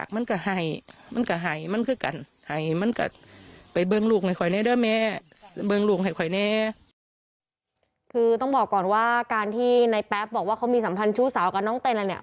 คือต้องบอกก่อนว่าการที่ในแป๊บบอกว่าเขามีสัมพันธ์ชู้สาวกับน้องเต้นแล้วเนี่ย